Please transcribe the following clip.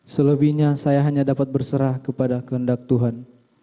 selebihnya saya hanya dapat berserah kepada kehendak tuhan